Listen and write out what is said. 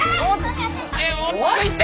落ち着いて！